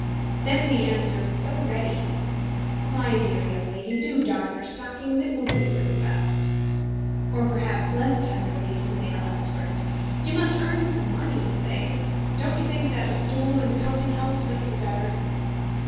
Then the answer is so ready: "My dear young lady, do darn your stockings; it will be for the best." Or perhaps, less tenderly, to the male aspirant: "You must earn some money, you say. Don't you think that a stool in a counting house might be better?"